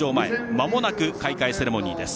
まもなく開会セレモニーです。